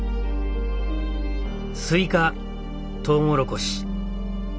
スイカトウモロコシ枝豆。